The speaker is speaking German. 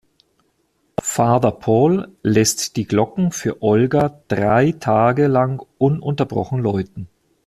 Father Paul lässt die Glocken für Olga drei Tage lang ununterbrochen läuten.